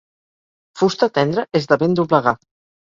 Fusta tendra és de ben doblegar.